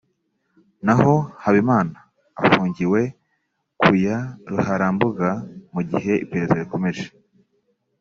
naho Habimana afungiwe ku ya Ruharambuga mu gihe iperereza rikomeje